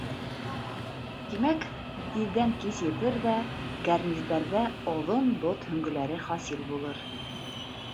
Тимәк, тиҙҙән кис етер ҙә кәрниздәрҙә оҙон боҙ һөңғөләре хасил булыр.